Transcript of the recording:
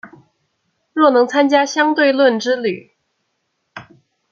若能參加相對論之旅